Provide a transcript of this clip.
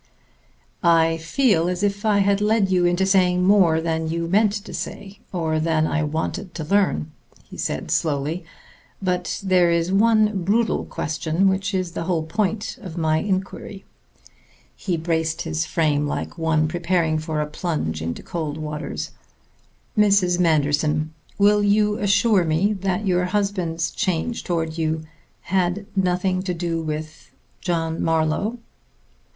"I feel as if I had led you into saying more than you meant to say, or than I wanted to learn," he said slowly. "But there is one brutal question which is the whole point of my inquiry." He braced his frame like one preparing for a plunge into cold waters. "Mrs. Manderson, will you assure me that your husband's change toward you had nothing to do with John Marlowe?"